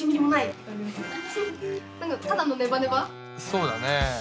そうだね。